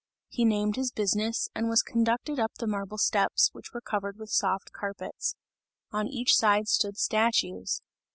He named his business, and was conducted up the marble steps, which were covered with soft carpets. On each side stood statues.